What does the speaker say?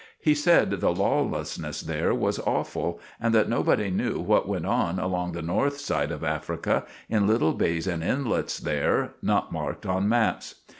He said the lawlessness there was awful, and that nobodi knew what went on along the north side of Africa in little bays and inletts there not marked on maps.